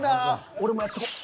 俺もやっとこう。